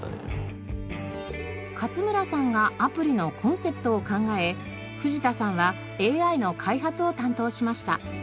勝村さんがアプリのコンセプトを考え藤田さんはＡＩの開発を担当しました。